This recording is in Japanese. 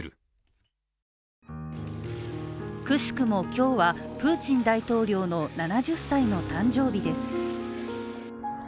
今日はプーチン大統領の７０歳の誕生日です。